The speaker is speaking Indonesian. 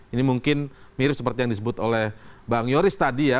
ini mungkin mirip seperti yang disebut oleh bang yoris tadi ya